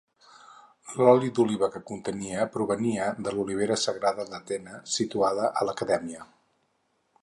L'oli d'oliva que contenia provenia de l'olivera sagrada d'Atena situada a l'Acadèmia.